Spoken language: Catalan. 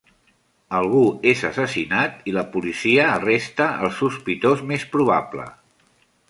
Algú és assassinat i la policia arresta el sospitós més probable.